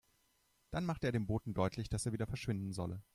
Dann machte er dem Boten deutlich, dass er wieder verschwinden solle.